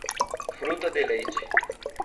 Fruta de Leite